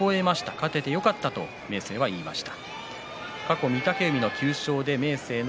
勝ててよかったと明生は話していました。